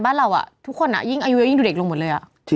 แบบเนี่ยเป็นเด็กอ่ะ